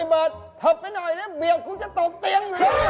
เผิร์ดไปหน่อยนะเบี่ยวกูจะตกเตียง